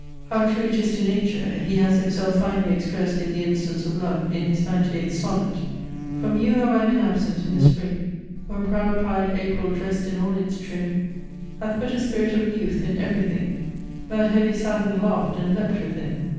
How true it is to nature, he has himself finely expressed in the instance of love in his 98th Sonnet. From you have I been absent in the spring, When proud pied April drest in all its trim, Hath put a spirit of youth in every thing; That heavy Saturn laugh'd and leap'd with him.